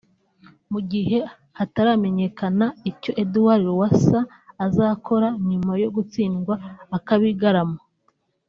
Mu gihe hataramenyekana icyo Edouard Lowassa azakora nyuma yo gutsindwa akabigarama